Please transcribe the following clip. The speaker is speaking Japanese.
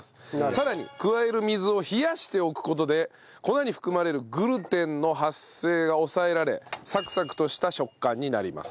さらに加える水を冷やしておく事で粉に含まれるグルテンの発生が抑えられサクサクとした食感になります。